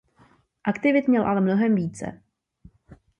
Aktivit měl ale mnohem více.